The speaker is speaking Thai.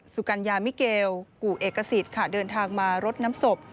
สุกัญญามิเกลกู่เอกสิทธิ์ค่ะเดินทางมารดน้ำศพ